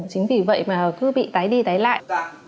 chính vì vậy mà cứ bị tái đi tái lại